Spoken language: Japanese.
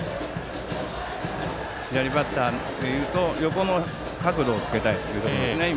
左バッターでいうと、横の角度をつけたいということですね。